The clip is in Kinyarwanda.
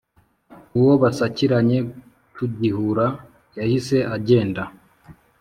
Uwo basakiranye tugihura yahise agenda